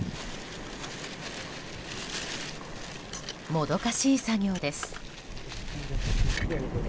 もどかしい作業です。